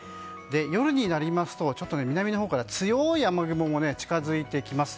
夜になりますと南のほうから強い雨雲も近づいてきます。